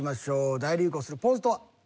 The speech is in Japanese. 大流行するポーズとは？